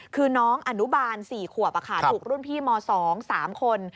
คือน้องอนุบาล๔ขวบถูกรุ่นพี่ม๒๓คน